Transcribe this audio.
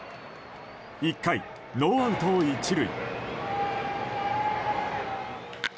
１回、ノーアウト１塁。